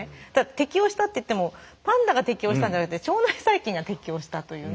適応したっていってもパンダが適応したんじゃなくて腸内細菌が適応したというね。